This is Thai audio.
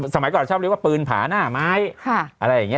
สมัยก่อนชอบเรียกว่าปืนผาหน้าไม้